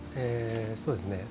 そうですね。